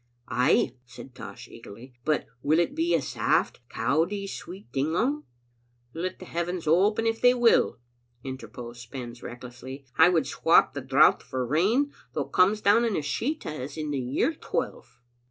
"Ay," said Tosh, eagerly, "but will it be a saft, cowdie sweet ding on?" "Let the heavens open if they will," interposed Spens recklessly. " I would swap the drought for rain, though it comes down in a sheet as in the year twelve."